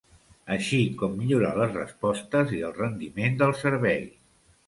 Així com millorar les respostes i el rendiment del servei.